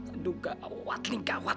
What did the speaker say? aduh gak awat nih gak awat